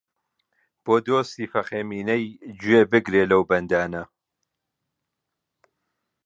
بۆ دۆستی فەقێ مینەی گوێ بگرێ لەو بەندانە